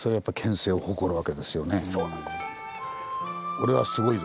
「俺はすごいぞ。